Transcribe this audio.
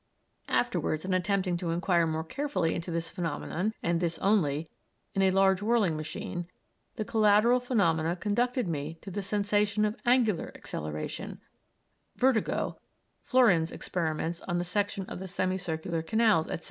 Afterwards, in attempting to inquire more carefully into this phenomenon, and this only, in a large whirling machine, the collateral phenomena conducted me to the sensation of angular acceleration, vertigo, Flouren's experiments on the section of the semi circular canals etc.